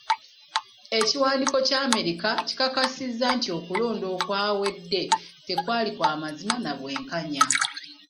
Ekiwandiiko kya Amerika kikakasa nti okulonda okwawedde tekwali kwa mazima nabwenkanya.